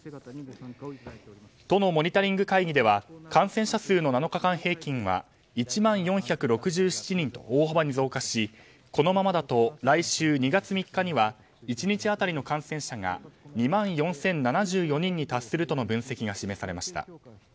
都のモニタリング会議では感染者数の７日間平均は１万４６７人と大幅に増加しこのままだと来週２月３日には１日当たりの感染者が２万４０７４人に達するとの分析が示されました。